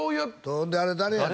ほんであれ誰やねん？